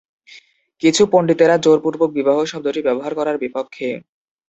কিছু পণ্ডিতেরা "জোরপূর্বক বিবাহ" শব্দটি ব্যবহার করার বিপক্ষে।